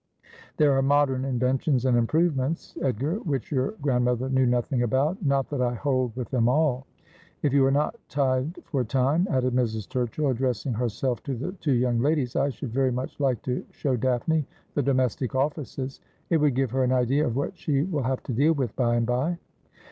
' There are modern inventions and improvements, Edgar, which your grandmother knew nothing about. Not that I hold with them all. If you are not tied for time,' added Mrs. Tur chill, addressing herself to the two young ladies, ' I should very much like to show Daphne the domestic ofi&ces. It would give her an idea of what she will have to deal with by and by.'